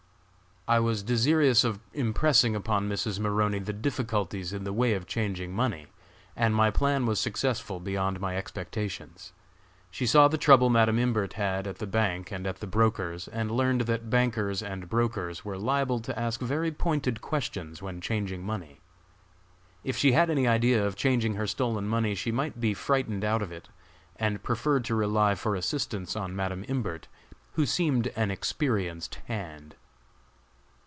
I was desirous of impressing upon Mrs. Maroney the difficulties in the way of changing money, and my plan was successful beyond my expectations. She saw the trouble Madam Imbert had at the bank and at the brokers, and learned that bankers and brokers were liable to ask very pointed questions when changing money. If she had any idea of changing her stolen money she might be frightened out of it, and prefer to rely for assistance on Madam Imbert, who seemed an experienced hand.